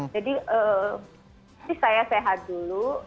jadi saya sehat dulu